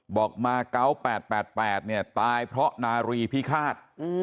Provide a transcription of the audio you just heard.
บอกมาเกาะ๘๘เนี่ยตายเพราะนารีพิฆาต